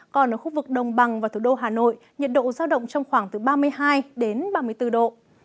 còn ở khu vực đồng bằng và thủ đô hà nội nhiệt độ giao động trong khoảng từ ba mươi hai ba mươi bốn độ